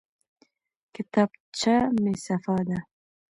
کتابچه مې صفا ده.